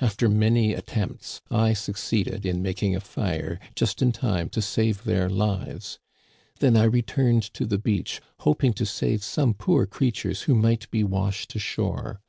After many attempts, I succeeded in making a fire just in time to save their lives. Then I returned to the beach, hoping to save some poor creatures who might be washed ashore.